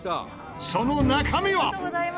その中身は？